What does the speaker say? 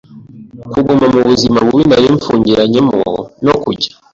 Kuguma mu buzima bubi nari mpfungiranyemo no kujya